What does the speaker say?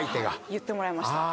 言ってもらいました。